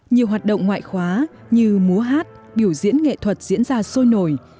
nhiều hoạt động ngoại khóa như múa hát biểu diễn nghệ thuật diễn ra sôi nổi